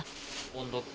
温度計。